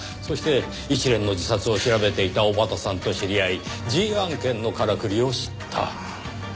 そして一連の自殺を調べていた尾幡さんと知り合いＧ案件のからくりを知った。